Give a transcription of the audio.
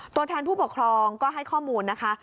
ตัวแทนผู้ปกครองก็ให้ข้อมูลนะคะ